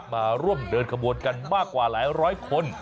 มาร่วมเดินขบวนกันมากกว่าหลายร้อยคน